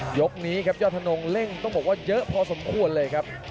ยกนี้ครับยอดธนงเร่งต้องบอกว่าเยอะพอสมควรเลยครับ